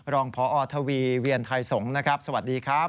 รองพอทวีเวียนไทยสงฆ์สวัสดีครับ